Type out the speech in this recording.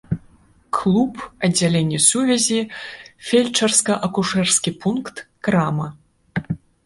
Клуб, аддзяленне сувязі, фельчарска-акушэрскі пункт, крама.